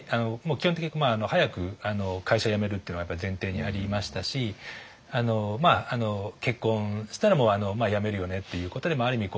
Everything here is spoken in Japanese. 基本的に早く会社を辞めるっていうのが前提にありましたし結婚したら辞めるよねっていうことである意味